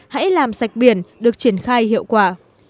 hãy làm sạch biển được triển khai hiệu quả